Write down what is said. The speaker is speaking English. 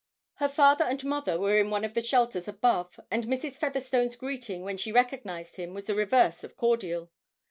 Her father and mother were in one of the shelters above, and Mrs. Featherstone's greeting when she recognised him was the reverse of cordial.